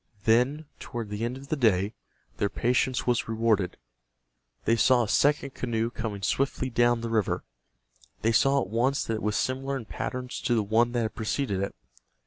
Then, toward the end of the day, their patience was rewarded. They saw a second canoe coming swiftly down the river. They saw at once that it was similar in pattern to the one that had preceded it.